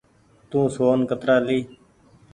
تو سون ڪترآ لي۔